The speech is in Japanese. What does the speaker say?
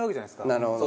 なるほど。